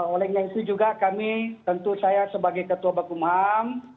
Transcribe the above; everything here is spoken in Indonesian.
oleh itu juga kami tentu saya sebagai ketua bakum ham